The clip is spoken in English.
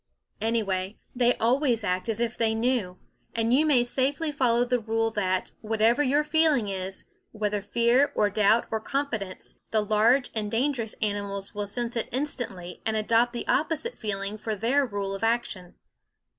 Anyway, they always act as if they knew; and you may safely follow the rule that, whatever your feeling is, whether fear or doubt or con fidence, the large and dangerous animals will sense it instantly and adopt the opposite feeling for their rule of action.